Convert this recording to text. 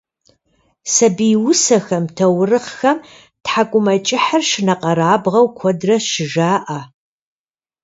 Сабий усэхэм, таурыхъхэм тхьэкIумэкIыхьыр шынэкъэрабгъэу куэдрэ щыжаIэ.